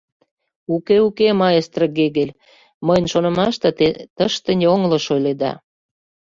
«Уке, уке, маэстро Гегель, мыйын шонымаште, те тыште йоҥылыш ойледа.